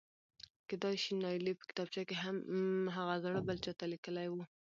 کېدای شي نايلې په کتابچه کې هغه زړه بل چاته لیکلی و.؟؟